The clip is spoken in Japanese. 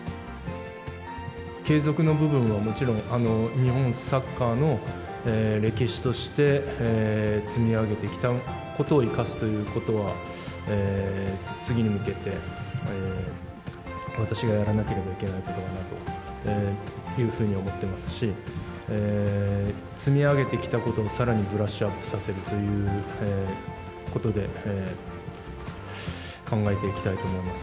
継続の部分はもちろん、日本サッカーの歴史として、積み上げてきたことを生かすということは、次に向けて私がやらなければいけないことだなというふうに思ってますし、積み上げてきたことを、さらにブラッシュアップさせるということで、考えていきたいと思います。